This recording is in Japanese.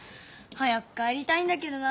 早く帰りたいんだけどな。